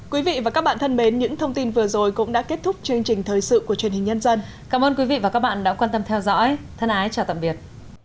quý vị và các bạn thân mến những thông tin vừa rồi cũng đã kết thúc chương trình thời sự của truyền hình nhân dân cảm ơn quý vị và các bạn đã quan tâm theo dõi thân ái chào tạm biệt